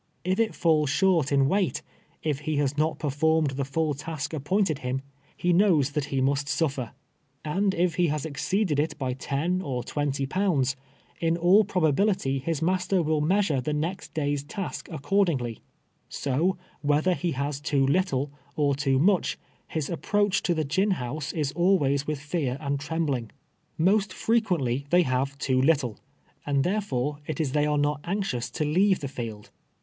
K it falls short in weight — if he has not performed the full task appointed him, he knows that he must 168 TWEL\Ti YEAK8 A SLAVE. Bufier. And if lie lias exceeded it Lj ten or twenty poimds, in all prtjbubility Lis master will measure tho next day's task accordingly. So, whether he has too little or too much, his approach to the gin house is always with fear and trembling. Must frequently they have too little, and therefore it is they are not anxious to leave the Held.